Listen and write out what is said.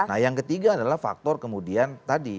nah yang ketiga adalah faktor kemudian tadi